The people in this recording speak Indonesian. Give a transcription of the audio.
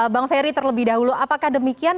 bang ferry terlebih dahulu apakah demikian